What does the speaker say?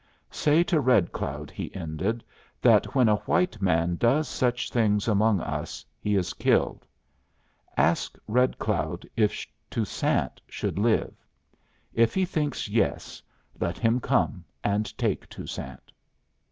"Say to Red Cloud," he ended, "that when a white man does such things among us, he is killed. Ask Red Cloud if Toussaint should live. If he thinks yes, let him come and take Toussaint."